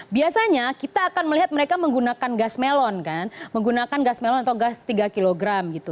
biasanya kita akan melihat mereka menggunakan gas melon kan menggunakan gas melon atau gas tiga kg gitu